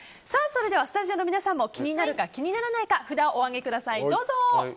スタジオの皆さんも気になるか気にならないか札をお上げください。